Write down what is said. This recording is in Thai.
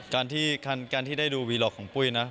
การที่ได้ดูวีหลอกของปุ้ยนะ